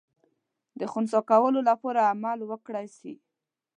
د خنثی کولو لپاره عمل وکړای سي.